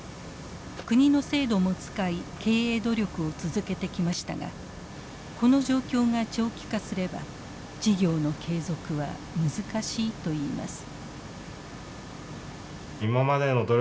国の制度も使い経営努力を続けてきましたがこの状況が長期化すれば事業の継続は難しいといいます。